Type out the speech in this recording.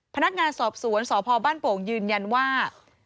พนักงานสอบสวนสพบ้านโป่งยืนยันว่า